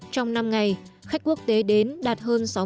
trong năm ngày khách quốc tế đến đa phương